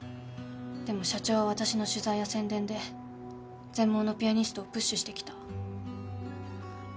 でも社長は私の取材や宣伝で全盲のピアニストをプッシュしてきた。